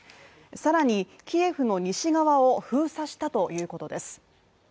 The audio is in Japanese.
更にキエフの西側を封鎖したということです。